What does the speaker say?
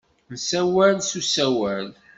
Nessawel s usawal.